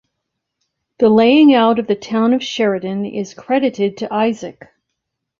The laying out of the town of Sheridan is credited to Isaac.